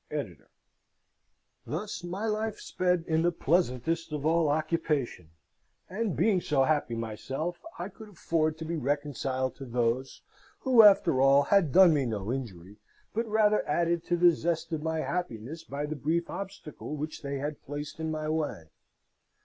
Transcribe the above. ED.] Thus my life sped in the pleasantest of all occupation; and, being so happy myself, I could afford to be reconciled to those who, after all, had done me no injury, but rather added to the zest of my happiness by the brief obstacle which they had placed in my way.